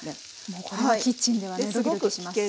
もうこれはキッチンではねドキドキします。